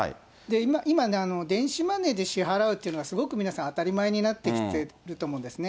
今、電子マネーで支払うというのはすごく皆さん当たり前になってきてると思うんですね。